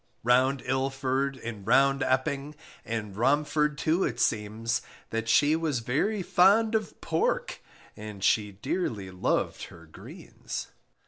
Round Ilford and round Epping, And Romford too it seems, That she was very fond of pork, And she dearly loved her greens!